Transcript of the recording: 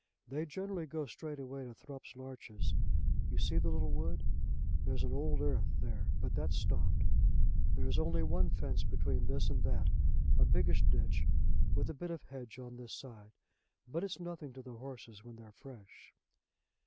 They generally go straight away to Thrupp's larches. You see the little wood. There's an old earth there, but that's stopped. There is only one fence between this and that, a biggish ditch, with a bit of a hedge on this side, but it's nothing to the horses when they're fresh."